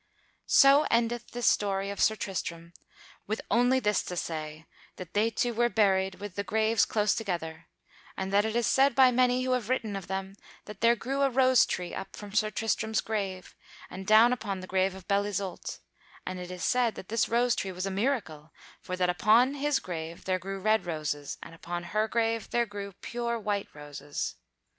So endeth this story of Sir Tristram, with only this to say, that they two were buried with the graves close together, and that it is said by many who have written of them that there grew a rose tree up from Sir Tristram's grave, and down upon the grave of Belle Isoult; and it is said that this rose tree was a miracle, for that upon his grave there grew red roses, and upon her grave there grew pure white roses.